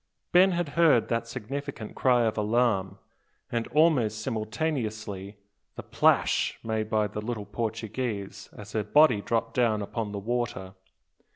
Ben had heard that significant cry of alarm, and almost simultaneously the "plash" made by the little Portuguese as her body dropped down upon the water.